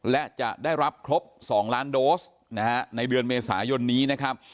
และจะได้รับครบ๒ล้านโดสนะฮะในเดือนเมษายนนี้นะครับ